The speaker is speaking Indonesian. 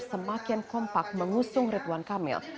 semakin kompak mengusung ridwan kamil